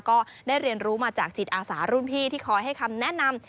ก็ได้เรียนรู้มาจากจิตอาสารุ่นพี่ที่คอยให้คำแนะนำ